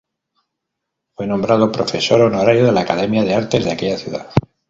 Fue nombrado profesor honorario de la Academia de Artes de aquella ciudad.